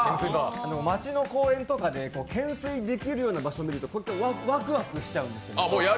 町の公園とかで懸垂できるような場所を見つけると、ワクワクしちゃうんですよね。